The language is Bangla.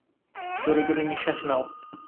জোরে জোরে নিশ্বাস নাও।